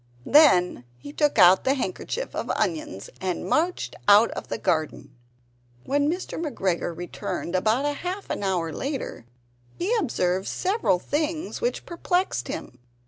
Then he took out the handkerchief of onions, and marched out of the garden. When Mr. McGregor returned about half an hour later he observed several things which perplexed him.